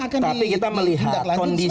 tapi kita melihat kondisi